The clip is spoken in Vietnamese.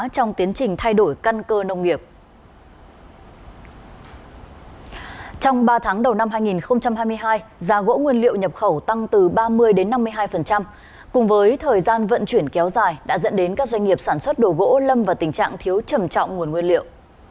trong ba tháng đầu năm hai nghìn hai mươi hai giá gỗ nguyên liệu nhập khẩu tăng từ ba mươi năm mươi hai cùng với thời gian vận chuyển kéo dài đã dẫn đến các doanh nghiệp sản xuất đồ gỗ lâm vào tình trạng thiếu trầm trọng nguồn nguyên liệu